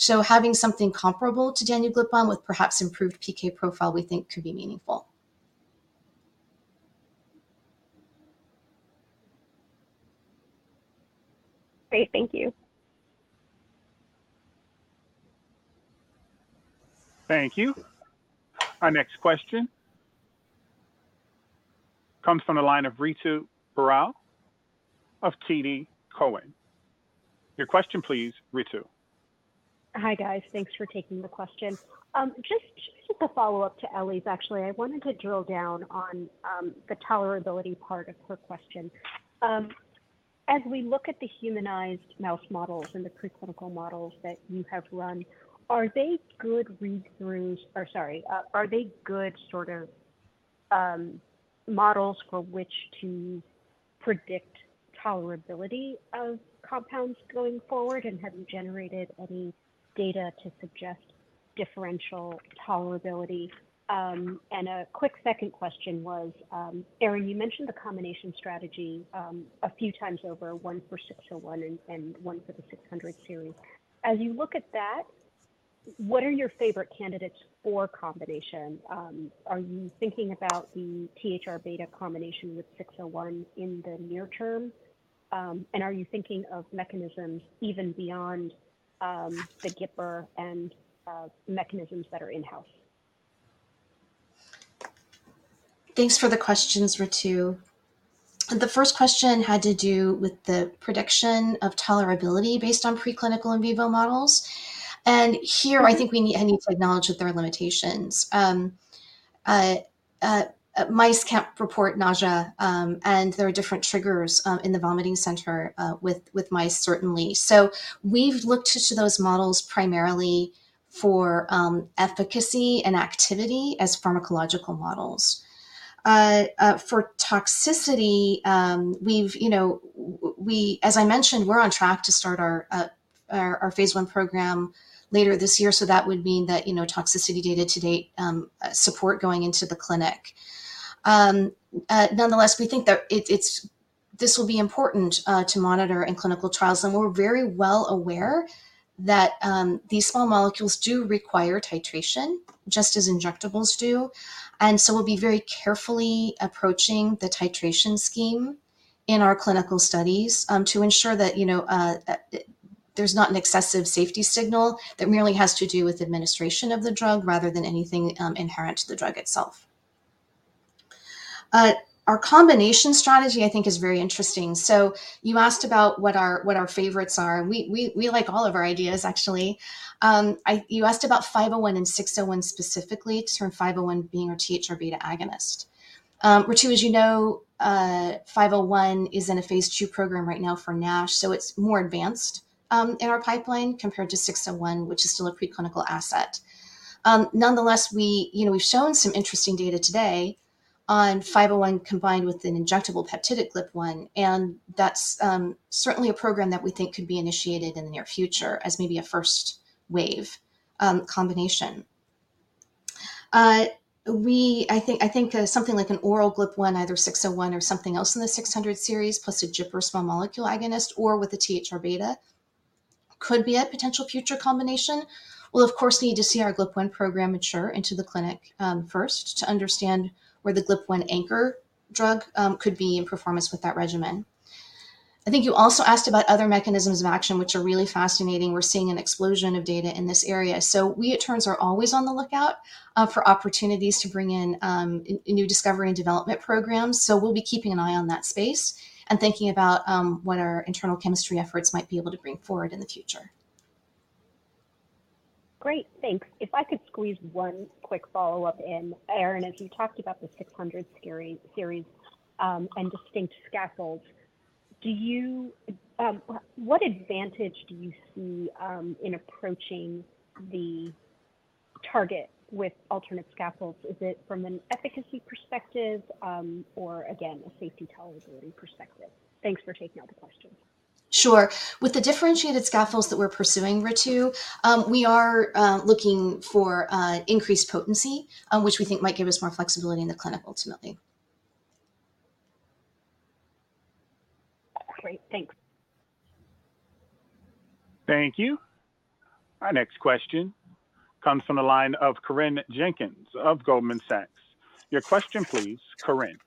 Having something comparable to danuglipron with perhaps improved PK profile, we think could be meaningful. Great. Thank you. Thank you. Our next question comes from the line of Ritu Baral of TD Cowen. Your question please, Ritu. Hi, guys. Thanks for taking the question. Just as a follow-up to Ellie's, actually, I wanted to drill down on the tolerability part of her question. As we look at the humanized mouse models and the preclinical models that you have run, are they good read-throughs? Sorry, are they good sort of models for which to predict tolerability of compounds going forward, and have you generated any data to suggest differential tolerability? A quick second question was, Erin, you mentioned the combination strategy a few times over, one for 601 and one for the 600 series. As you look at that, what are your favorite candidates for combination? Are you thinking about the THR-β combination with TERN-601 in the near term, and are you thinking of mechanisms even beyond the GPBAR and mechanisms that are in-house? Thanks for the questions, Ritu. The first question had to do with the prediction of tolerability based on preclinical in vivo models. Mm-hmm I think I need to acknowledge that there are limitations. Mice can't report nausea, and there are different triggers in the vomiting center with mice, certainly. We've looked to those models primarily for efficacy and activity as pharmacological models. For toxicity, we've, you know, we, as I mentioned, we're on track to start our phase 1 program later this year. That would mean that, you know, toxicity data to date, support going into the clinic. We think that this will be important to monitor in clinical trials, and we're very well aware that these small molecules do require titration, just as injectables do. We'll be very carefully approaching the titration scheme in our clinical studies, to ensure that, you know, there's not an excessive safety signal that merely has to do with administration of the drug rather than anything inherent to the drug itself. Our combination strategy, I think, is very interesting. You asked about what our, what our favorites are. We like all of our ideas, actually. You asked about 501 and 601 specifically, in terms of 501 being our THR-β agonist. Ritu, as you know, 501 is in a phase 2 program right now for NASH, so it's more advanced in our pipeline compared to 601, which is still a preclinical asset. Nonetheless, we, you know, we've shown some interesting data today on 501 combined with an injectable peptidic GLP-1, and that's certainly a program that we think could be initiated in the near future as maybe a first wave combination. We, I think, something like an oral GLP-1, either 601 or something else in the 600 series, plus a GPBAR small molecule agonist or with a THR-β, could be a potential future combination. We'll of course, need to see our GLP-1 program mature into the clinic first, to understand where the GLP-1 anchor drug could be in performance with that regimen. I think you also asked about other mechanisms of action, which are really fascinating. We're seeing an explosion of data in this area. We at Terns are always on the lookout, for opportunities to bring in, new discovery and development programs. We'll be keeping an eye on that space and thinking about, what our internal chemistry efforts might be able to bring forward in the future. Great, thanks. If I could squeeze one quick follow-up in. Erin, as you talked about the 600 series, and distinct scaffolds, what advantage do you see, in approaching the target with alternate scaffolds? Is it from an efficacy perspective, or again, a safety tolerability perspective? Thanks for taking all the questions. Sure. With the differentiated scaffolds that we're pursuing, Ritu, we are looking for increased potency, which we think might give us more flexibility in the clinic ultimately. Great, thanks. Thank you. Our next question comes from the line of Corinne Jenkins of Goldman Sachs. Your question please, Corinne.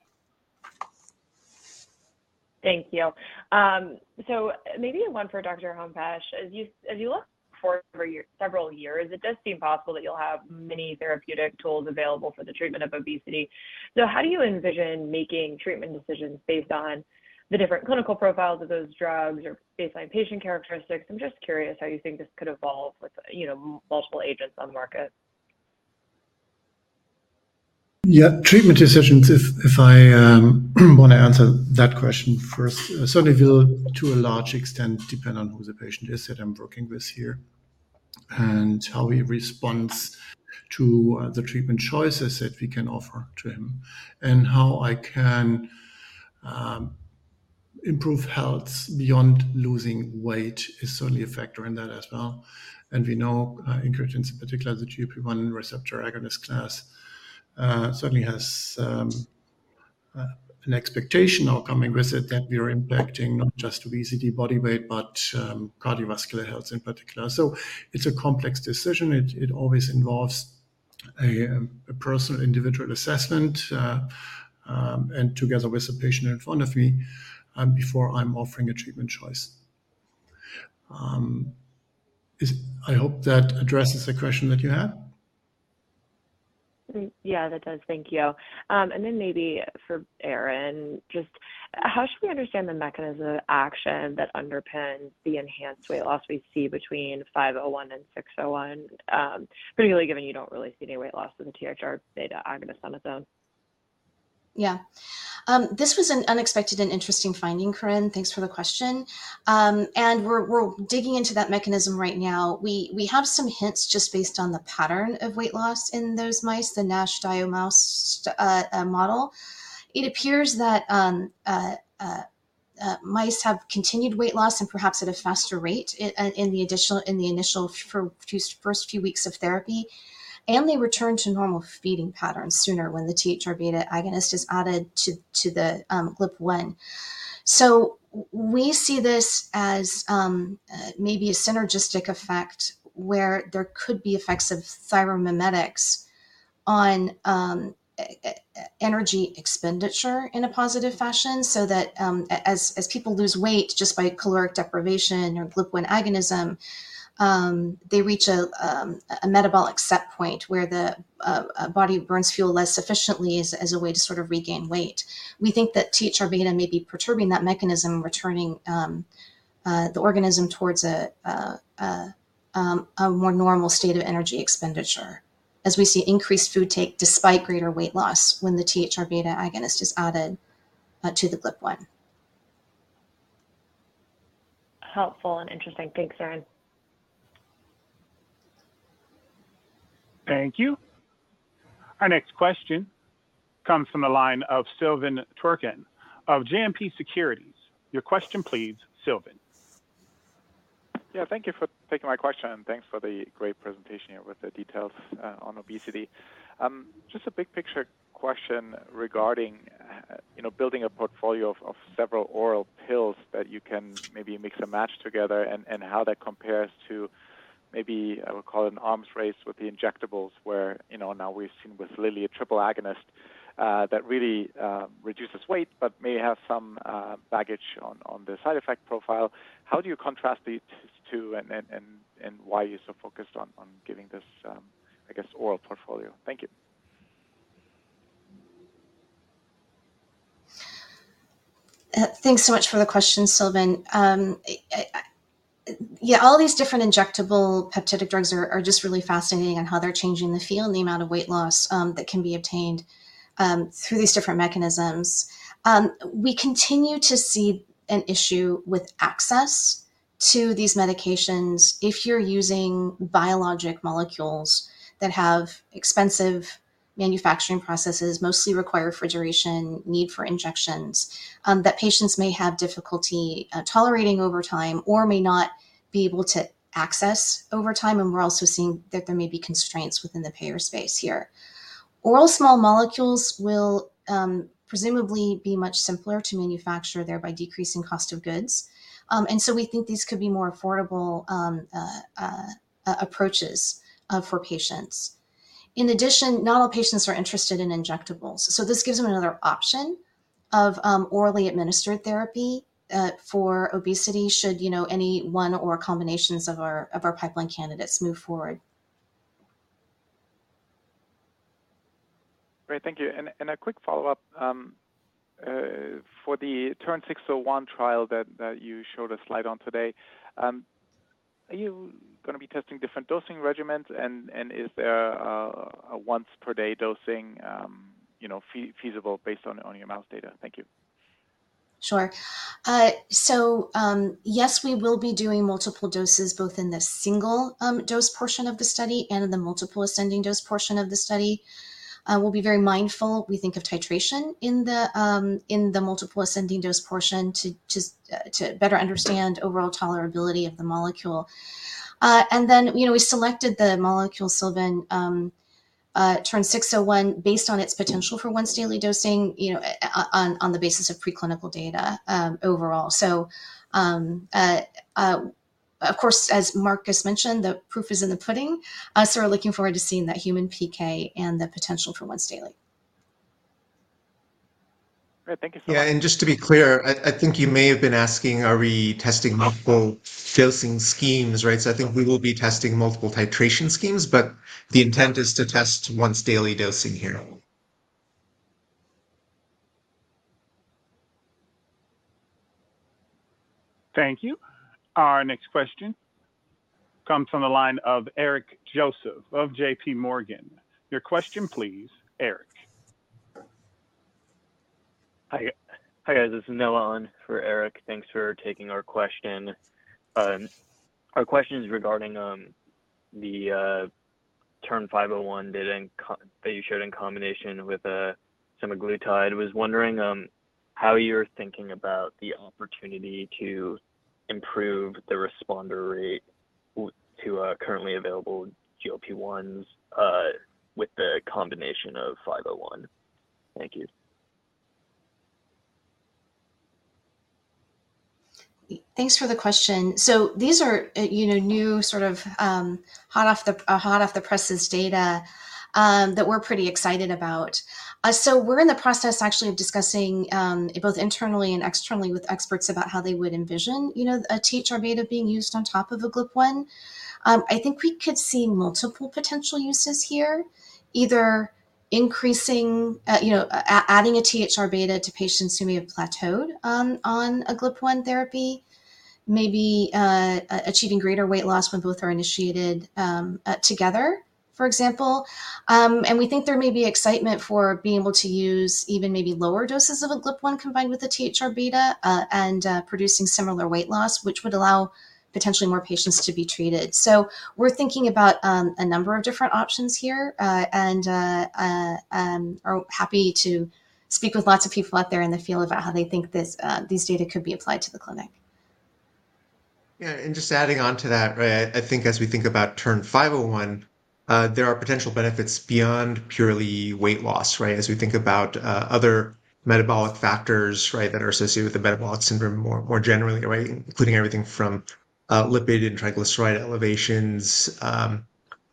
Thank you. Maybe one for Dr. Hampasch. As you look forward for several years, it does seem possible that you'll have many therapeutic tools available for the treatment of obesity. How do you envision making treatment decisions based on the different clinical profiles of those drugs or based on patient characteristics? I'm just curious how you think this could evolve with, you know, multiple agents on the market. Yeah, treatment decisions, if I want to answer that question first. Certainly it will, to a large extent, depend on who the patient is that I'm working with here, and how he responds to the treatment choices that we can offer to him, and how I can improve health beyond losing weight is certainly a factor in that as well. We know, in particular, the GLP-1 receptor agonist class certainly has an expectational coming with it, that we are impacting not just obesity, body weight, but cardiovascular health in particular. It's a complex decision. It always involves a personal individual assessment, and together with the patient in front of me, before I'm offering a treatment choice. I hope that addresses the question that you had? Yeah, that does. Thank you. Then maybe for Erin, just how should we understand the mechanism of action that underpins the enhanced weight loss we see between 501 and 601, particularly given you don't really see any weight loss in the THR-β agonist on its own? Yeah. This was an unexpected and interesting finding, Corinne. Thanks for the question. We're digging into that mechanism right now. We have some hints just based on the pattern of weight loss in those mice, the NASH diet mouse model. It appears that mice have continued weight loss and perhaps at a faster rate in the additional, in the initial first few weeks of therapy, and they return to normal feeding patterns sooner when the THR-β agonist is added to the GLP-1. We see this as maybe a synergistic effect, where there could be effects of thyromimetics on energy expenditure in a positive fashion, so that as people lose weight just by caloric deprivation or GLP-1 agonism, they reach a metabolic set point where the body burns fuel less efficiently as a way to sort of regain weight. We think that THR-β may be perturbing that mechanism, returning the organism towards a more normal state of energy expenditure, as we see increased food take despite greater weight loss when the THR-β agonist is added to the GLP-1. Helpful and interesting. Thanks, Erin. Thank you. Our next question comes from the line of Sylvan Tuerkcan of JMP Securities. Your question please, Sylvan. Yeah, thank you for taking my question, and thanks for the great presentation here with the details on obesity. Just a big-picture question regarding, you know, building a portfolio of several oral pills that you can maybe mix and match together, and how that compares to maybe, I would call it an arms race with the injectables, where, you know, now we've seen with Lilly, a triple agonist that really reduces weight but may have some baggage on the side effect profile. How do you contrast these two, and why are you so focused on giving this, I guess, oral portfolio? Thank you. Thanks so much for the question, Sylvan. Yeah, all these different injectable peptidic drugs are just really fascinating on how they're changing the field and the amount of weight loss that can be obtained through these different mechanisms. We continue to see an issue with access to these medications. If you're using biologic molecules that have expensive manufacturing processes, mostly require refrigeration, need for injections that patients may have difficulty tolerating over time or may not be able to access over time, and we're also seeing that there may be constraints within the payer space here. Oral small molecules will presumably be much simpler to manufacture, thereby decreasing cost of goods. So we think these could be more affordable approaches for patients. Not all patients are interested in injectables, so this gives them another option of orally administered therapy for obesity, should, you know, any one or combinations of our pipeline candidates move forward. Great. Thank you. A quick follow-up, for the TERN-601 trial that you showed a slide on today, are you gonna be testing different dosing regimens, and is there a once-per-day dosing, you know, feasible based on your mouse data? Thank you. Sure. Yes, we will be doing multiple doses, both in the single dose portion of the study and in the multiple ascending dose portion of the study. We'll be very mindful, we think, of titration in the multiple ascending dose portion to just to better understand overall tolerability of the molecule. You know, we selected the molecule, Silvan, TERN-601, based on its potential for once-daily dosing, you know, on the basis of preclinical data overall. Of course, as Marcus mentioned, the proof is in the pudding, we're looking forward to seeing that human PK and the potential for once daily. Great. Thank you so much. Yeah, just to be clear, I think you may have been asking, are we testing multiple dosing schemes, right? I think we will be testing multiple titration schemes, but the intent is to test once-daily dosing here. Thank you. Our next question comes from the line of Eric Joseph of J.P. Morgan. Your question please, Eric. Hi, hi, guys. This is Noah on for Eric. Thanks for taking our question. Our question is regarding the TERN-501 that you showed in combination with semaglutide. Was wondering how you're thinking about the opportunity to improve the responder rate to currently available GLP-1s with the combination of 501. Thank you. Thanks for the question. These are, you know, new sort of, hot off the, hot-off-the-presses data, that we're pretty excited about. We're in the process actually of discussing, both internally and externally with experts about how they would envision, you know, a THR-β being used on top of a GLP-1. I think we could see multiple potential uses here, either increasing, you know, adding a THR-β to patients who may have plateaued on a GLP-1 therapy, maybe, achieving greater weight loss when both are initiated, together, for example. We think there may be excitement for being able to use even maybe lower doses of a GLP-1 combined with a THR-β, and, producing similar weight loss, which would allow potentially more patients to be treated. We're thinking about a number of different options here, and are happy to speak with lots of people out there in the field about how they think this, these data could be applied to the clinic. Yeah, and just adding on to that, right, I think as we think about TERN-501, there are potential benefits beyond purely weight loss, right? As we think about other metabolic factors, right, that are associated with the metabolic syndrome more, generally, right, including everything from lipid and triglyceride elevations,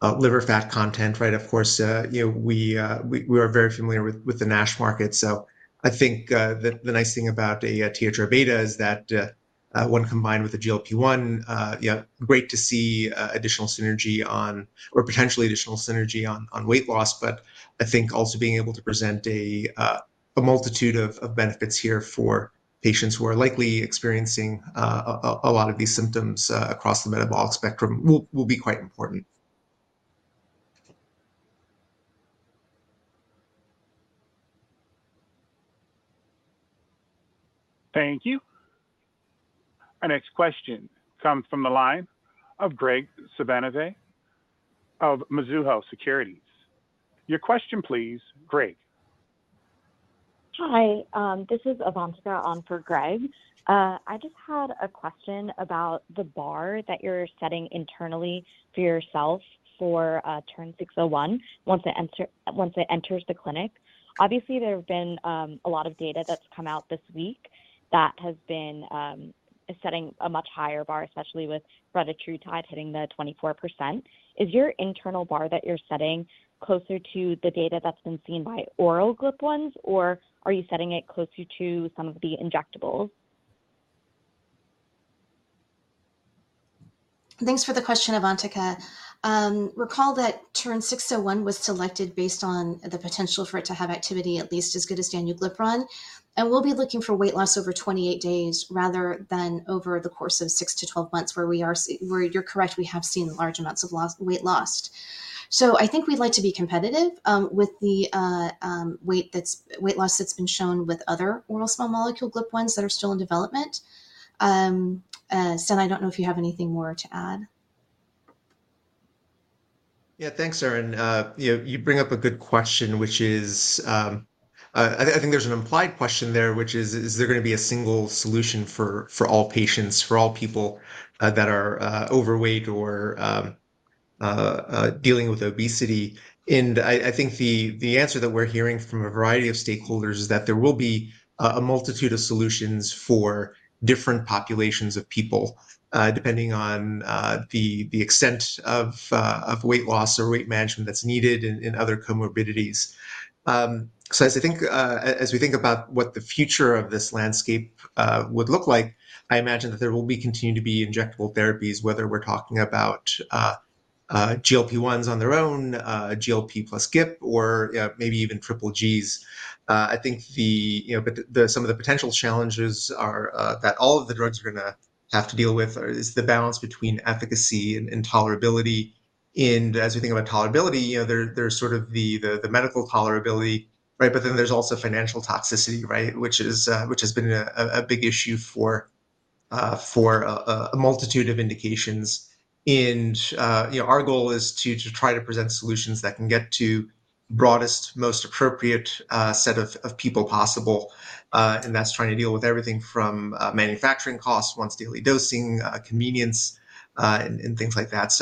liver fat content, right? Of course, you know, we are very familiar with the NASH market. So I think the nice thing about a THR-β is that when combined with the GLP-1, yeah, great to see additional synergy on or potentially additional synergy on weight loss. I think also being able to present a multitude of benefits here for patients who are likely experiencing, a lot of these symptoms, across the metabolic spectrum will be quite important. Thank you. Our next question comes from the line of Graig Suvannavejh of Mizuho Securities. Your question, please, Greg. Hi, this is Avantika on for Greg. I just had a question about the bar that you're setting internally for yourself for TERN-601 once it enters the clinic. Obviously, there have been a lot of data that's come out this week that has been setting a much higher bar, especially with retatrutide hitting the 24%. Is your internal bar that you're setting closer to the data that's been seen by oral GLP-1s, or are you setting it closer to some of the injectables? Thanks for the question, Avantika. Recall that TERN-601 was selected based on the potential for it to have activity at least as good as danuglipron. We'll be looking for weight loss over 28 days rather than over the course of 6-12 months, where you're correct, we have seen large amounts of loss, weight lost. I think we'd like to be competitive with the weight loss that's been shown with other oral small molecule GLP-1s that are still in development. Sen, I don't know if you have anything more to add. Yeah, thanks, Erin. You bring up a good question, which is, I think there's an implied question there, which is: Is there gonna be a single solution for all patients, for all people that are overweight or dealing with obesity? I think the answer that we're hearing from a variety of stakeholders is that there will be a multitude of solutions for different populations of people, depending on the extent of weight loss or weight management that's needed and other comorbidities. As I think as we think about what the future of this landscape would look like, I imagine that there will be continue to be injectable therapies, whether we're talking about GLP-1s on their own, GLP plus GIP or maybe even triple Gs. I think You know, but the, some of the potential challenges are that all of the drugs are gonna have to deal with is the balance between efficacy and tolerability. As we think about tolerability, you know, there's sort of the medical tolerability, right? There's also financial toxicity, right, which is which has been a big issue for a multitude of indications. You know, our goal is to try to present solutions that can get to broadest, most appropriate set of people possible. That's trying to deal with everything from manufacturing costs, once-daily dosing, convenience, and things like that.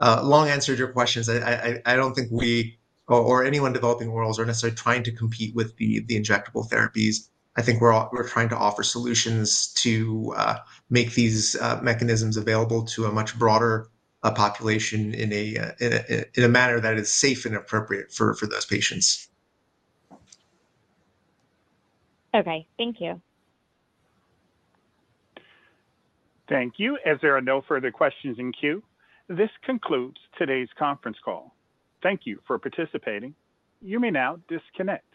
Long answer to your questions, I don't think we or anyone developing orals are necessarily trying to compete with the injectable therapies. I think we're trying to offer solutions to make these mechanisms available to a much broader population in a, in a manner that is safe and appropriate for those patients. Okay. Thank you. Thank you. As there are no further questions in queue, this concludes today's conference call. Thank you for participating. You may now disconnect.